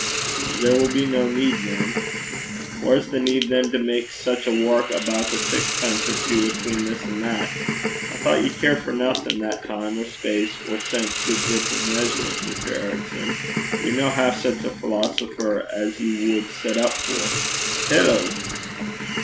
'There will be no need then.' 'Whaur's the need than to mak sic a wark aboot a saxpence or twa atween this and that? I thocht ye cared for naething that time or space or sense could grip or measure. Mr. Ericson, ye're no half sic a philosopher as ye wad set up for. Hillo!'